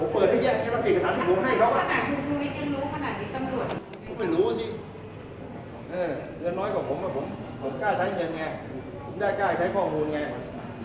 ผมกล้าใช้ข้อมูลไง